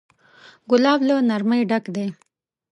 ګلاب له نرمۍ ډک دی.